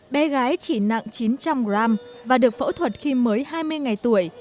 bé gái chỉ nặng chín trăm linh g và được phẫu thuật khi mới hai mươi ngày tuổi